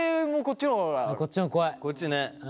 こっちね。